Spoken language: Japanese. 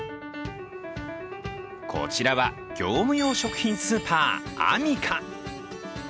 こちらは業務用食品スーパー、アミカ。